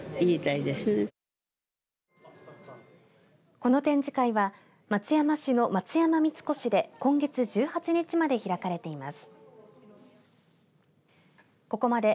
この展示会は松山市の松山三越で今月１８日まで開かれています。